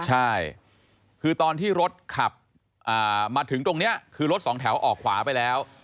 ใช่คือตอนที่รถขับมาถึงตรงนี้คือรถสองแถวออกขวาไปแล้ว